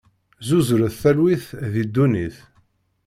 Zzuzret talwit di ddunit!